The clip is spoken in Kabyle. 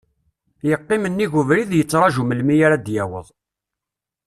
Yeqqim nnig ubrid yettraju melmi ara d-yaweḍ.